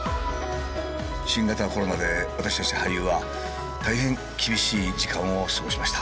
新型コロナで私たち俳優は大変厳しい時間を過ごしました。